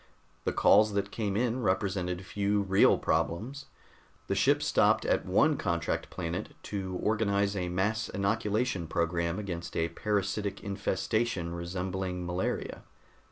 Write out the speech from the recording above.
The calls that came in represented few real problems. The ship stopped at one contract planet to organize a mass inoculation program against a parasitic infestation resembling malaria.